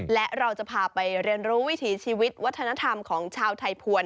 และเราจะพาไปเรียนรู้วิถีชีวิตวัฒนธรรมของชาวไทยภวร